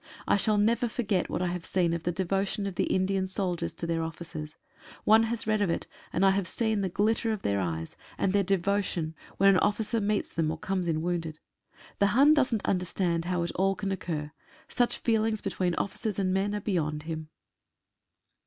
I shall never forget what I have seen of the devotion of the Indian soldiers to their officers. One has read of it, and I have seen the glitter of their eyes, and their devotion, when an officer 155 GOOD BYE TO FLANDERS. meets them or comes in wounded. The Hun doesn't understand how it all can occur. Such feelings between officer and men are beyond him.